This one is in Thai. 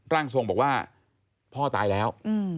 ร่างทรงบอกว่าพ่อตายแล้ว